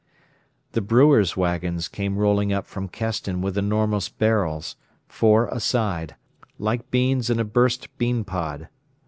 The brewers' waggons came rolling up from Keston with enormous barrels, four a side, like beans in a burst bean pod.